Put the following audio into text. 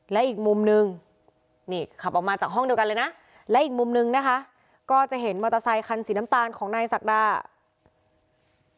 และอีกมุมนึงนี่ขับออกมาจากห้องเดียวกันเลยนะและอีกมุมนึงนะคะก็จะเห็นมอเตอร์ไซคันสีน้ำตาลของนายศักดา